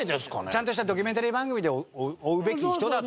ちゃんとしたドキュメンタリー番組で追うべき人だと？